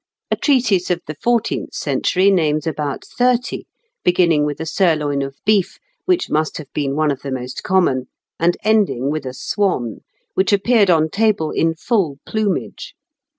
A treatise of the fourteenth century names about thirty, beginning with a sirloin of beef, which must have been one of the most common, and ending with a swan, which appeared on table in full plumage.